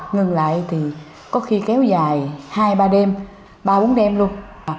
ngừng lại thì có khi kéo dài hai ba đêm ba bốn đêm luôn